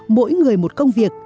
mỗi người một công việc